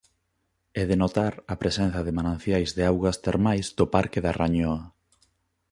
É de notar a presenza de mananciais de augas termais do parque da Rañoa.